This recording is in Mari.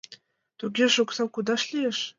— Тугеже оксам кодаш лиеш?